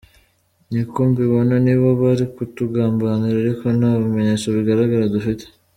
Niko mbibona nibo bari kutugambanira ariko nta bimenyetso bigaragara dufite.